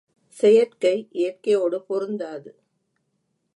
செயற்கை, இயற்கையோடு பொருந்தாது.